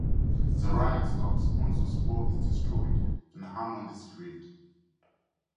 The riot stops once the spore is destroyed and Hammond is freed.